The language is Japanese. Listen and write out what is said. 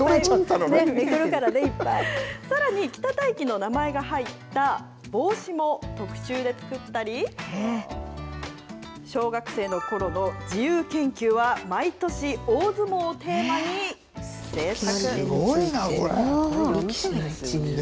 めくるからね、さらに、北太樹の名前が入った帽子も特注で作ったり、小学生のころの自由研究は、毎年、大相撲をテーマに制作。